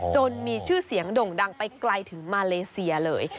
จนมีชื่อเสียงด่งดังไปไกลถึงมาเลเซียเลย